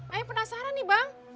ayah penasaran nih bang